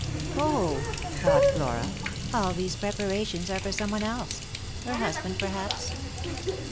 " 0," thought Flora, " all these preparations are for some one else — her husband perhaps."